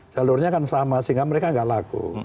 jalurnya kan sama sehingga mereka nggak laku